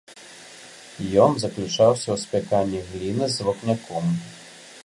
Ён заключаўся ў спяканні гліны з вапняком.